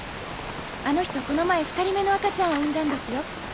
あの人この前２人目の赤ちゃんを産んだんですよ。